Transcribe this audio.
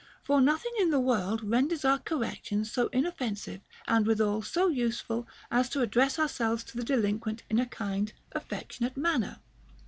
For nothing in the world renders our corrections so inoffensive and withal so useful as to address ourselves to the delinquent in a kind, affection ate manner.